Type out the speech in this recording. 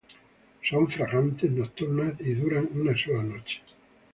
Son fragantes, nocturnas y duran una sola noche.